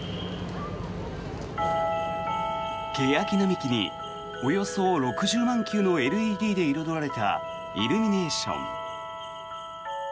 ケヤキ並木におよそ６０万球のＬＥＤで彩られたイルミネーション。